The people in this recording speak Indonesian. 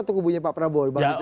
atau kubunya pak prabowo